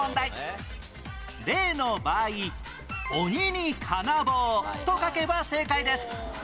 例の場合「鬼に金棒」と書けば正解です